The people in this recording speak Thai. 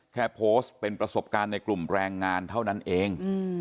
แค่โพสต์เป็นประสบการณ์ในกลุ่มแรงงานเท่านั้นเอง